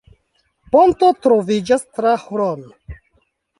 Ponto troviĝas tra Hron.